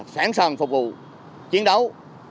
sẵn sàng phục vụ chiến đấu